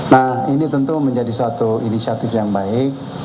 nah ini tentu menjadi suatu inisiatif yang baik